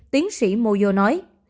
tiến sĩ moyo nói